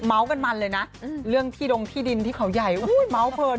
เม้ากันมันเลยนะเรื่องที่ดรงที่ดินที่เขาใหญ่อุ๊ยเม้าเผิน